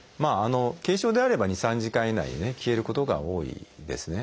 軽症であれば２３時間以内に消えることが多いですね。